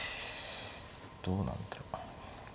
どうなんだろう。